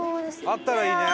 あったらいいね。